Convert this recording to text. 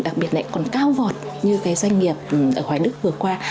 đặc biệt lại còn cao vọt như cái doanh nghiệp ở hoài đức vừa qua